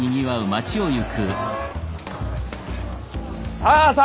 さあさあ